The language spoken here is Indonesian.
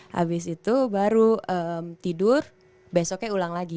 habis itu baru tidur besoknya ulang lagi